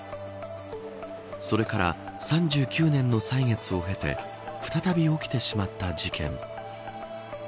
それから３９年の歳月を経て再び起きてしまった事件。